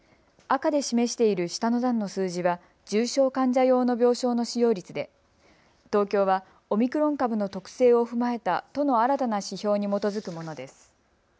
赤で示している下の段の数字は重症患者用の病床の使用率で東京はオミクロン株の特性を踏まえた都の新たな指標に基づくものです。